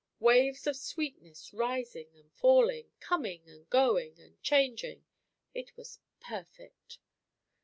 Waves of sweetness, rising and falling, coming and going, and changing; it was perfect."